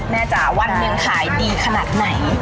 จ๋าวันหนึ่งขายดีขนาดไหน